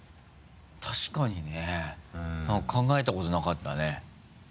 確かにね考えたことなかったね。